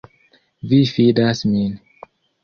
Vi fidas min.